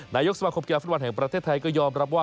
นายกสมาคมกีฬาฟุตบอลแห่งประเทศไทยก็ยอมรับว่า